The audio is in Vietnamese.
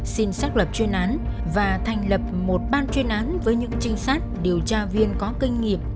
xin xác lập chuyên án và thành lập một ban chuyên án với những trinh sát điều tra viên có kinh nghiệm